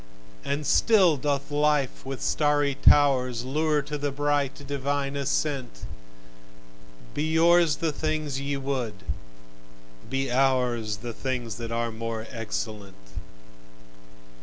And still doth life with starry towers Lure to the bright, divine ascent! Be yours the things ye would: be ours The things that are more excellent.